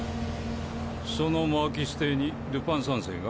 そのマーキス邸にルパン三世が？